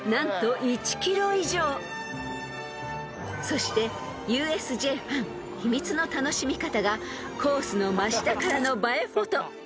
［そしてＵＳＪファン秘密の楽しみ方がコースの真下からの映えフォト］